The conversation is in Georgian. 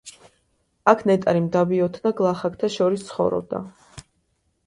აქ ნეტარი მდაბიოთა და გლახაკთა შორის ცხოვრობდა.